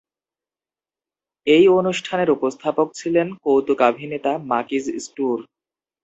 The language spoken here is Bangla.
এই অনুষ্ঠানের উপস্থাপক ছিলেন কৌতুকাভিনেতা মাকিজ স্টুর।